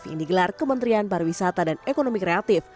yang digelar kementerian pariwisata dan ekonomi kreatif